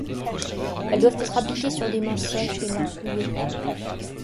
Elles doivent être appliquées sur des mains sèches et non souillées.